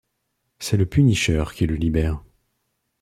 C'est le Punisher qui le libère.